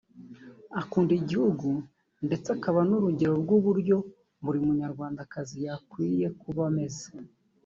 ukunda igihugu ndetse akaba n’urugero rw’uburyo buri munyarwandakazi yagakwiye kuba ameze